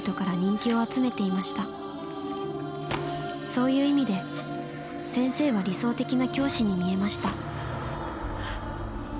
そういう意味で先生は理想的な教師に見えました」。